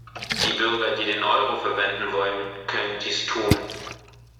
Die Bürger, die den Euro verwenden wollen, können dies tun.